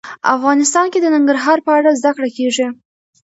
افغانستان کې د ننګرهار په اړه زده کړه کېږي.